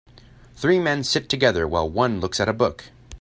Three men sit together while one looks at a book.